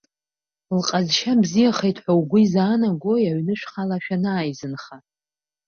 Лҟазшьа бзиахеит ҳәа угәы изаанагои, аҩны шәхала шәанааизынха?